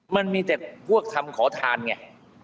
มันมีแต่พวกคำขอทานไง